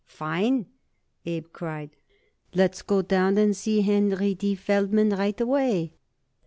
"Fine!" Abe cried. "Let's go down and see Henry D. Feldman right away."